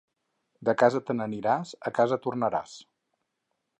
De casa te n'aniràs, a casa tornaràs.